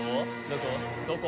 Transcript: どこ？